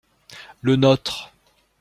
Le nôtre.